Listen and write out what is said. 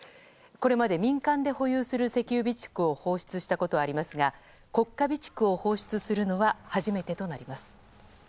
これまで民間で保有する石油備蓄を放出したことはありますが国家備蓄を放出するのは初めてとなります。